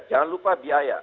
jangan lupa biaya